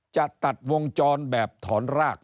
จะตัดวงจรแบบถอนราก